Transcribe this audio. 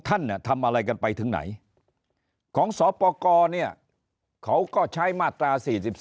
ทำอะไรกันไปถึงไหนของสปกรเนี่ยเขาก็ใช้มาตรา๔๔